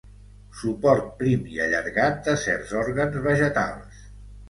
Suport prim i allargat de certs òrgans vegetals.